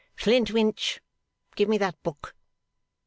'Flintwinch, give me that book!